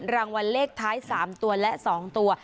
รางวัลเลขท้ายสามตัวและสองตัว